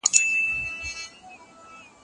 څوک به په جګړه کي لومړی وژل کیږي؟